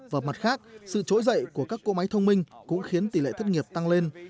và mặt khác sự trỗi dậy của các cỗ máy thông minh cũng khiến tỷ lệ thất nghiệp tăng lên